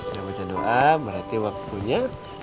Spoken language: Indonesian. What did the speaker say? saya baca doa berarti waktunya